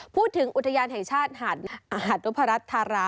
พูดถึงอุทยานแห่งชาติหาดอาหารลภรรรษธารา